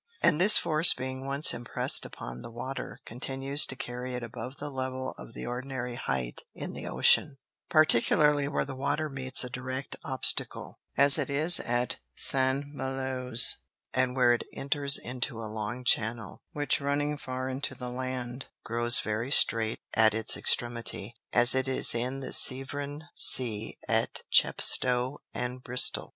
And this force being once impress'd upon the Water, continues to carry it above the level of the ordinary height in the Ocean, particularly where the Water meets a direct Obstacle, as it is at St. Malo's; and where it enters into a long Channel, which running far into the Land, grows very streight at its Extremity; as it is in the Severn Sea at Chepstow and Bristol.